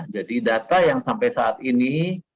jadi data yang sampai saat ini